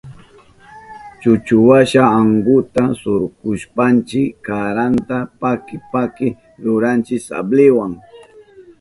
Chuchuwasha ankunta surkushpanchi karanta paki paki ruranchi sabliwa.